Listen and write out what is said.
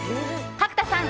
角田さん